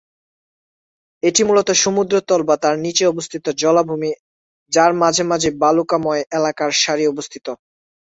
এটি মূলত সমুদ্র সমতল বা তার নিচে অবস্থিত জলাভূমি যার মাঝে মাঝে বালুময় এলাকার সারি অবস্থিত।